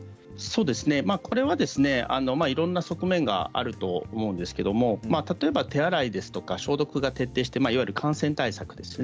これは、いろいろな側面があると思うんですけれど例えば、手洗いや消毒が徹底していわゆる感染対策ですね